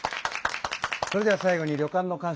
それでは最後に旅館のかん